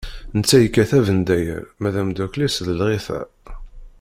Netta yekkat abendayer, ma d ameddakel-is d lɣiṭa.